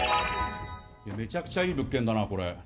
めちゃくちゃいい物件だな、これ。